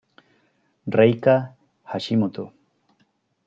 Reika Hashimoto